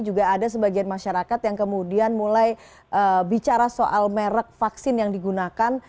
juga ada sebagian masyarakat yang kemudian mulai bicara soal merek vaksin yang digunakan